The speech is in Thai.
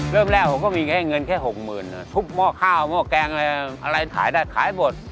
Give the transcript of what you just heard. เริ่มแรกผมก็มีแค่เงินแค่๖๐๐๐ทุบหม้อข้าวหม้อแกงอะไรขายได้ขายหมด